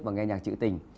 và nghe nhạc chữ tình